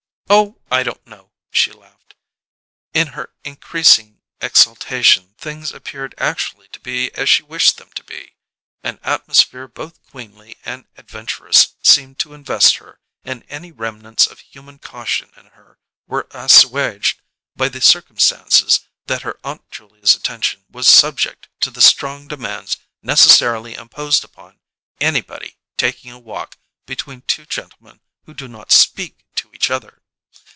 "Oh, I don't know!" she laughed. In her increasing exaltation things appeared actually to be as she wished them to be; an atmosphere both queenly and adventurous seemed to invest her, and any remnants of human caution in her were assuaged by the circumstance that her Aunt Julia's attention was subject to the strong demands necessarily imposed upon anybody taking a walk between two gentlemen who do not "speak" to each other.